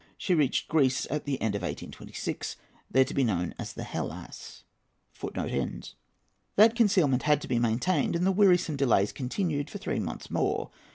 She reached Greece at the end of 1826, there to be known as the Hellas.] That concealment had to be maintained, and the wearisome delays continued, for three months more.